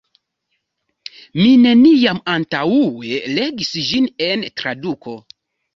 Mi neniam antaŭe legis ĝin en traduko.